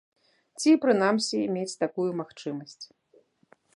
Ці, прынамсі, мець такую магчымасць.